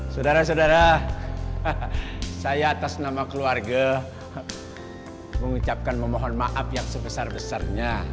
saudara saudara saya atas nama keluarga mengucapkan memohon maaf yang sebesar besarnya